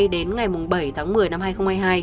đến ngày bảy tháng một mươi năm hai nghìn hai mươi hai